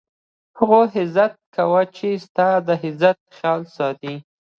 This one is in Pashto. د هغو عزت کوه، چي ستا دعزت خیال ساتي.